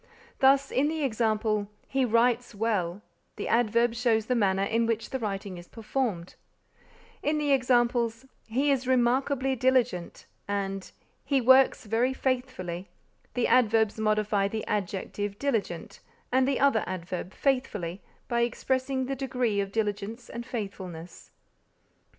Thus, in the example "He writes well," the adverb shows the manner in which the writing is performed; in the examples "He is remarkably diligent" and "He works very faithfully," the adverbs modify the adjective diligent and the other adverb faithfully by expressing the degree of diligence and faithfulness.